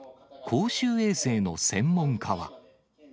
公衆衛生の専門家は。